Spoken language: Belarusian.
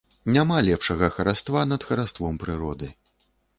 Няма лепшага хараства над хараством прыроды.